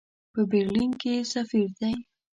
په برلین کې سفیر دی.